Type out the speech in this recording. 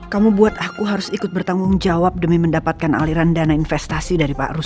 kamu buat aku harus ikut bertanggung jawab demi mendapatkan aliran dana investasi dari pak rus